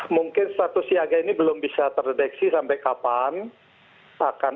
mungkin status siaga ini belum bisa terdeteksi sampai kapan